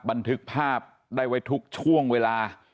บันทึกภาพได้ไว้ทุกช่วงเวลา